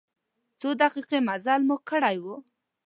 څو دقیقې مزل مو کړی و.